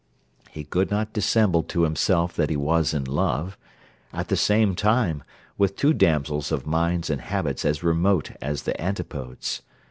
He could not dissemble to himself that he was in love, at the same time, with two damsels of minds and habits as remote as the antipodes.